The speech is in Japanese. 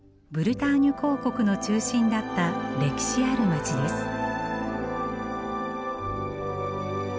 ブルターニュ公国の中心だった歴史ある街です。